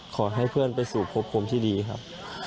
ขอให้เพื่อนไปสู่พบภูมิที่ดีครับ